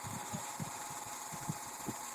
莫莱昂利沙尔人口变化图示